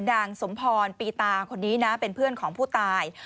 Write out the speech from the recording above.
นางสมพรปีตาคนนี้นะเป็นเพื่อนของผู้ตาย